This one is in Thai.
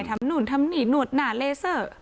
ทำหนุ่นทำหนีหนุ่นหนาเลเซอร์